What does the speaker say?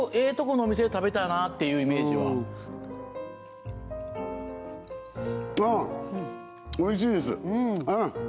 このお店で食べたなっていうイメージはああおいしいですうん！